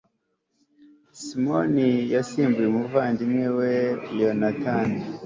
simoni yasimbuye umuvandimwe we yonatani